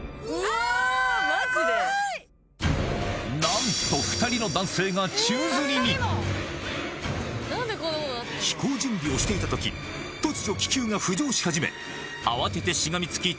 何と２人の男性が宙吊りに飛行準備をしていた時突如気球が浮上し始め慌ててしがみつき